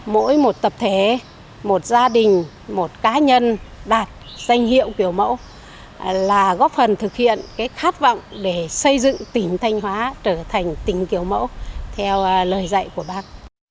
mỗi một tập thể một gia đình một cá nhân đạt danh hiệu kiểu mẫu là góp phần thực hiện khát vọng để xây dựng tỉnh thanh hóa trở thành tỉnh kiểu mẫu theo lời dạy của bác